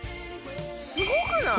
すごくない！？